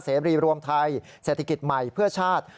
เสรีรวมไทยเศรษฐกิจใหม่เพื่อชาติ